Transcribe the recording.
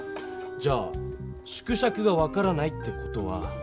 じゃあ縮尺が分からないって事は。